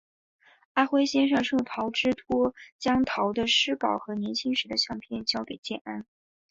阿辉先生受陶之托将陶的诗稿和年轻时的相片交给建安。